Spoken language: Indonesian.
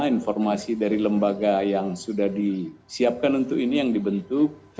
informasi dari lembaga yang sudah disiapkan untuk ini yang dibentuk